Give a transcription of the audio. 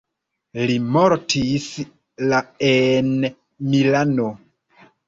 Li mortis la en Milano.